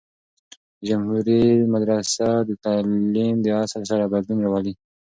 د جمهوری مدرسه د تعلیم د اصل سره بدلون راووي.